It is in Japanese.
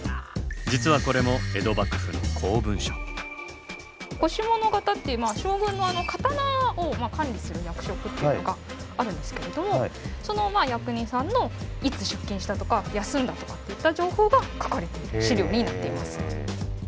実はこれも腰物方っていう将軍の刀を管理する役職っていうのがあるんですけれどその役人さんのいつ出勤したとか休んだとかっていった情報が書かれている資料になっています。